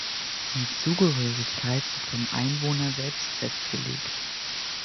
Die Zugehörigkeit wird vom Einwohner selbst festgelegt.